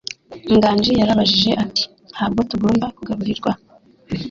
Nganji yarabajije ati: "Ntabwo tugomba kugaburirwa?"